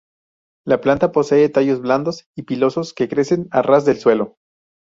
La planta posee tallos blandos y pilosos que crecen a ras del suelo.